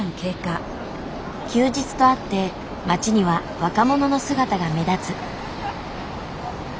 休日とあって街には若者の姿が目立つ。